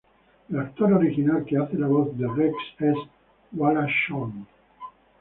El actor original que hace la voz de Rex, es Wallace Shawn.